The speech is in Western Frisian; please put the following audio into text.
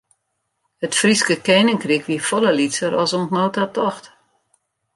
It Fryske keninkryk wie folle lytser as oant no ta tocht.